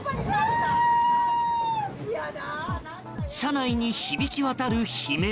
車内に響き渡る悲鳴。